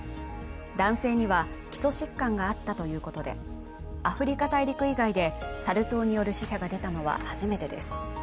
男性には基礎疾患があったということで、アフリカ大陸以外でサル痘による死者が出たのは初めてです。